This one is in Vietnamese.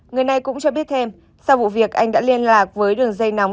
người này cũng cho biết thêm sau vụ việc anh đã liên lạc với đường dây nóng